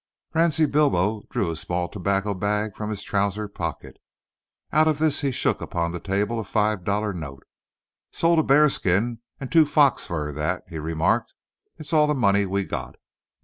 Ransie Bilbro drew a small tobacco bag from his trousers pocket. Out of this he shook upon the table a five dollar note. "Sold a b'arskin and two foxes fur that," he remarked. "It's all the money we got."